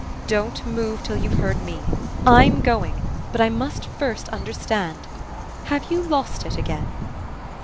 "Don't move till you've heard me. I'M going, but I must first understand. Have you lost it again?"